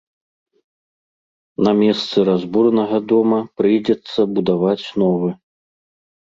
На месцы разбуранага дома прыйдзецца будаваць новы.